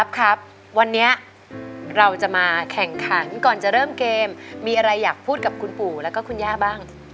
ครับวันนี้เราจะมาแข่งขันก่อนจะเริ่มเกมมีอะไรอยากพูดกับคุณปู่แล้วก็คุณย่าบ้าง